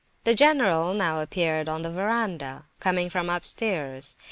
The general now appeared on the verandah, coming from upstairs.